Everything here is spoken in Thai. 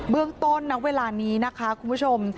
เบื้องต้นเวลานี้คุณผู้ชม